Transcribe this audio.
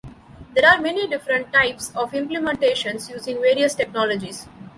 There are many different types of implementations using various technologies.